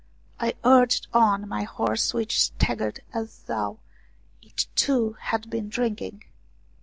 I urged on my horse which staggered as though it, too, had been drinking.